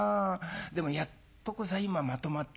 でもやっとこさ今まとまってね